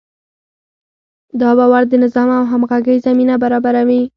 دا باور د نظم او همغږۍ زمینه برابروي.